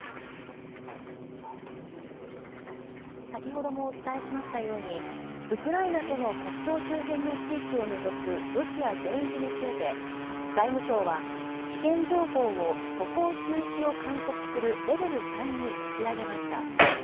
先ほどもお伝えしましたように、ウクライナとの国境周辺の地域を除くロシア全域について、外務省は危険情報を、渡航中止を勧告するレベル３に引き上げました。